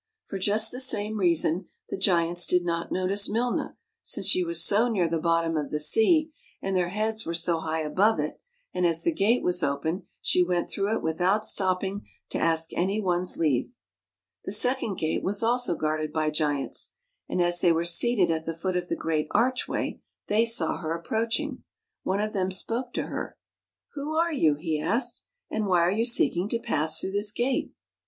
For just the same reason the giants did not notice Milna, since she was so near the bottom of the sea, and their heads were so high above it, and as the gate was open, she went through it without stopping to ask any one's leave. The second gate was also guarded by giants, and as they were seated at the foot of the great archway, they saw her approaching. One of them spoke to her. " Who are you? " he asked. " And why are you seeking to pass through this gate?"